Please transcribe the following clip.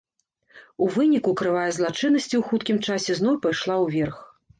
У выніку крывая злачыннасці у хуткім часе зноў пайшла ўверх.